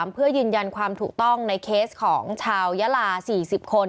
เพื่อยืนยันความถูกต้องในเคสของชาวยาลา๔๐คน